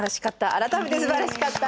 改めてすばらしかった。